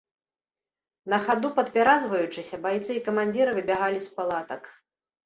На хаду падпяразваючыся, байцы і камандзіры выбягалі з палатак.